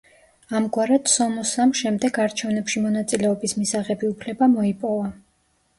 ამგვარად სომოსამ შემდეგ არჩევნებში მონაწილეობის მისაღები უფლება მოიპოვა.